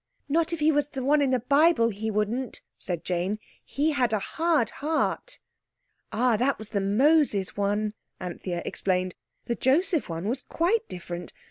"Not if he was the one in the Bible he wouldn't," said Jane. "He had a hard heart." "Ah, that was the Moses one," Anthea explained. "The Joseph one was quite different.